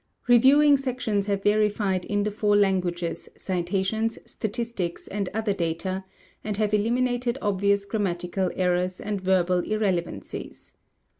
Reviewing sections have verified in the four languages citations, statistics, and other data, and have eliminated obvious grammatical errors and verbal irrelevancies.